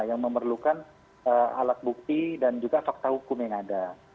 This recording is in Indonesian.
yang memerlukan alat bukti dan juga fakta hukum yang ada